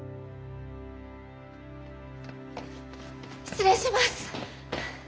失礼します！